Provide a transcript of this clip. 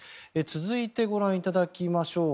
続いてご覧いただきましょう。